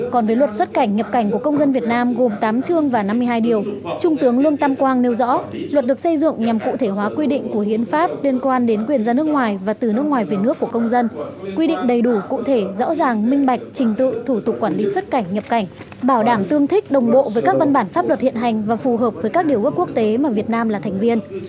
còn với luật xuất cảnh nhập cảnh của công dân việt nam gồm tám chương và năm mươi hai điều trung tướng lương tam quang nêu rõ luật được xây dựng nhằm cụ thể hóa quy định của hiến pháp liên quan đến quyền ra nước ngoài và từ nước ngoài về nước của công dân quy định đầy đủ cụ thể rõ ràng minh bạch trình tự thủ tục quản lý xuất cảnh nhập cảnh bảo đảm tương thích đồng bộ với các văn bản pháp luật hiện hành và phù hợp với các điều quốc quốc tế mà việt nam là thành viên